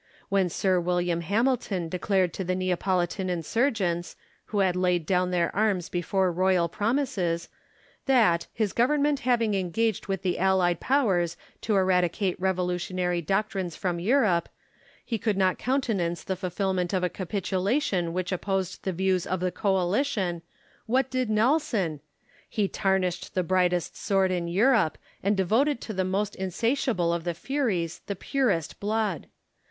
When Sir William Hamilton declared to the Neapolitan insurgents, who had laid down their arms GENERAL LACY AND CUR A MERINO. T43 before royal promises, that, his Government having engaged with the Allied Powers to eradicate revolutionary doctrines from Europe, he could not countenance the fulfilment of a capitulation which opposed the views of the coalition, what did Nelson ? He tarnished the brightest sword in Europe, and devoted to the most insatiable of the Furies the purest blood